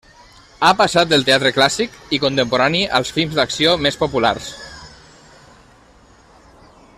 Ha passat del teatre clàssic i contemporani als films d'acció més populars.